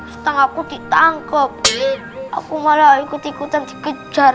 setengah aku ditangkap aku malah ikut ikutan dikejar